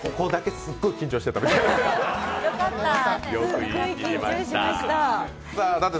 すっごい緊張しました。